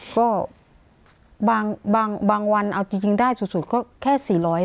ก็บางวันเอาจริงได้สุดก็แค่๔๐๐บาท